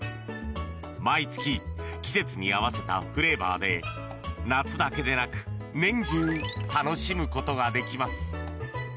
毎月、季節に合わせたフレーバーで夏だけでなく年中、楽しむことができます。